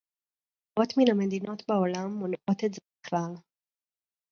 רבות מן המדינות בעולם מונעות את זה בכלל